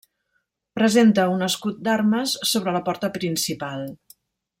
Presenta un escut d'armes sobre la porta principal.